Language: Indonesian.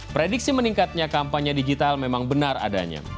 prediksi meningkatnya kampanye digital memang benar adanya